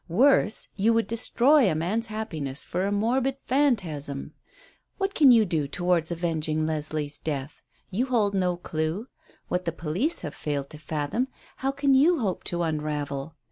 Worse, you would destroy a man's happiness for a morbid phantasm. What can you do towards avenging Leslie's death? You hold no clue. What the police have failed to fathom, how can you hope to unravel?